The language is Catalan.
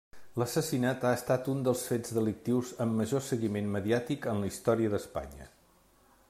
L'assassinat ha estat un dels fets delictius amb major seguiment mediàtic en la història d'Espanya.